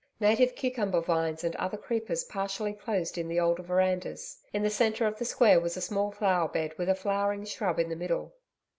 Native cucumber vines and other creepers partially closed in the older verandas. In the centre of the square was a small flower bed with a flowering shrub in the middle.